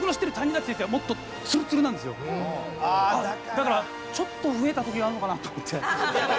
だからちょっと増えた時があるのかなと思って。